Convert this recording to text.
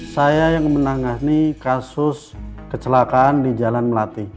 saya yang menangani kasus kecelakaan di jalan melati